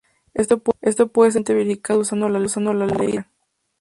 Esto puede ser fácilmente verificado usando la Ley de De Morgan.